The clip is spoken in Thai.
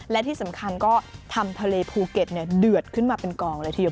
และที่สำคัญก็ทำทะเลภูเก็ตเดือดขึ้นมาเป็นกองเลยทีเดียว